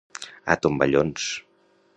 A tomballons.